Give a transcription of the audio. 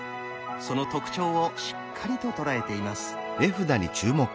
その特徴をしっかりと捉えています。